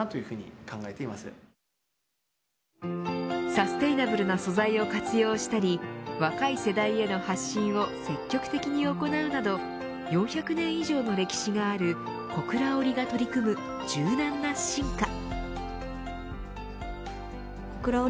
サステイナブルの素材を活用したり若い世代への発信を積極的に行うなど４００年以上の歴史がある小倉織が取り組む柔軟な進化。